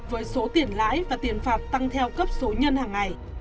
với số tiền lãi và tiền phạt tăng theo cấp số nhân hàng ngày